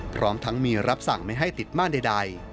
พร้อมทั้งมีรับสั่งไม่ให้ติดม่านใด